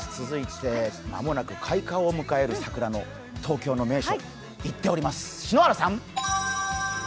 続いて、間もなく開花を迎える桜の東京の名所、行っております。